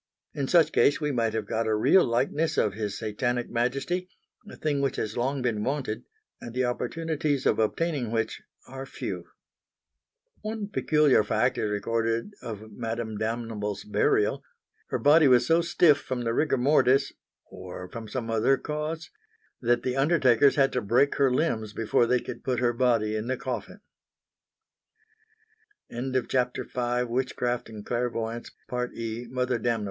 In such case we might have got a real likeness of His Satanic Majesty a thing which has long been wanted and the opportunities of obtaining which are few. One peculiar fact is recorded of Madame Damnable's burial; her body was so stiff from the rigor mortis or from some other cause that the undertakers had to break her limbs before they could put her body in the coffin.